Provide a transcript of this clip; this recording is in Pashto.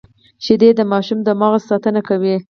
شیدې د ماشوم د مغزو ساتنه کوي